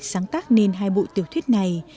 sáng tác nên hai bộ tiểu thuyết này